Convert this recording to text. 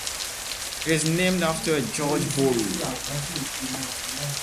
It is named after George Boole.